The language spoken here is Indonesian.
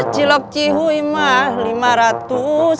cilok cikgu mah lima ratusan